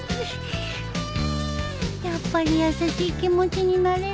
やっぱり優しい気持ちになれるね。